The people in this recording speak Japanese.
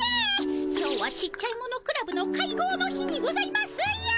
今日はちっちゃいものクラブの会合の日にございますよ。